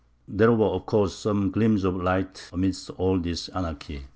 ] There were of course some gleams of light amidst all this anarchy.